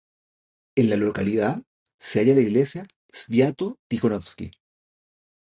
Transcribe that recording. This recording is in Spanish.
En la localidad se halla la iglesia "Sviato-Tijonovski".